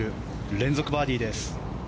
連続バーディーです。